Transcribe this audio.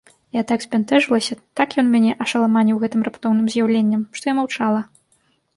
Я так збянтэжылася, так ён мяне ашаламаніў гэтым раптоўным з'яўленнем, што я маўчала.